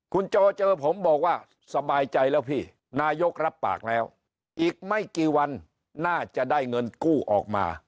คุณโจเจอผมบอกว่าสบายใจแล้วพี่นายกรับปากแล้วอีกไม่กี่วันน่าจะได้เงินกู้ออกมา